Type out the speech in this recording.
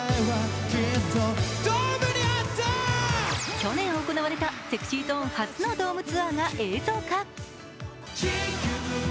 去年行われたＳｅｘｙＺｏｎｅ初のドームツアーが映像化。